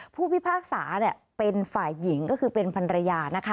ผู้พิพากษาเป็นฝ่ายหญิงก็คือเป็นพันรยานะคะ